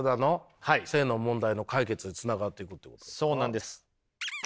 そうなんです。